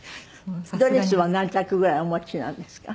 ドレスは何着ぐらいお持ちなんですか？